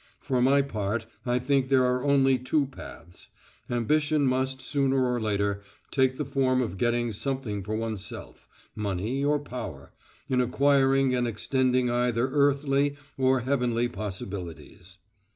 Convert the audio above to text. For my part I think there are only two paths. Ambition must, sooner or later, take the form of getting something for oneself money or power in acquiring and extending either earthly or heavenly possibilities.